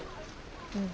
うん。